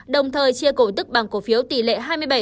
đồng thời chia cổ tức bằng cổ phiếu tỷ lệ hai mươi bảy